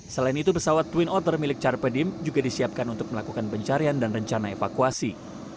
selain itu pesawat twin otter milik carpedim juga disiapkan untuk melakukan pencarian dan rencana evakuasi